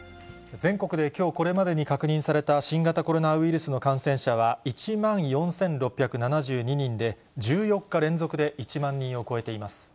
全国できょうこれまでに確認された新型コロナウイルスの感染者は１万４６７２人で、１４日連続で１万人を超えています。